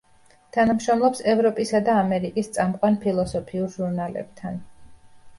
თანამშრომლობს ევროპისა და ამერიკის წამყვან ფილოსოფიურ ჟურნალებთან.